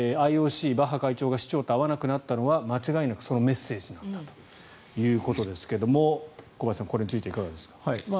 ＩＯＣ、バッハ会長が市長と会わなくなったのは間違いなくそのメッセージなんだということですが小林さん、これについてはいかがですか。